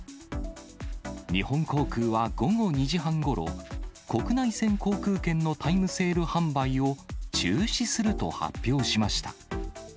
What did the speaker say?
日本航空は午後２時半ごろ、国内線航空券のタイムセール販売を中止すると発表しました。